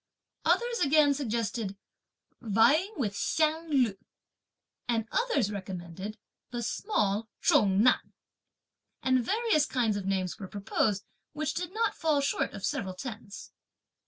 Others again suggested: "Vying with the Hsiang Lu;" and others recommended "the small Chung Nan." And various kinds of names were proposed, which did not fall short of several tens.